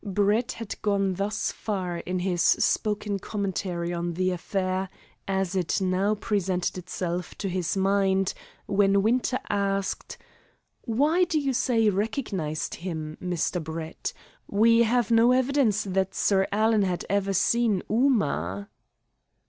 Brett had gone thus far in his spoken commentary on the affair as it now presented itself to his mind when Winter asked: "Why do you say 'recognised' him, Mr. Brett? We have no evidence that Sir Alan had ever seen Ooma?"